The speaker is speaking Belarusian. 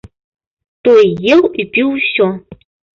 Той еў і піў усё.